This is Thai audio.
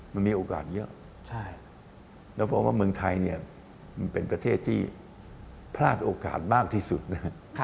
มันมีโอกาสเยอะแล้วเพราะว่าเมืองไทยเนี่ยมันเป็นประเทศที่พลาดโอกาสมากที่สุดนะครับ